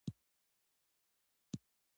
ځمکه د افغان تاریخ په کتابونو کې ذکر شوی دي.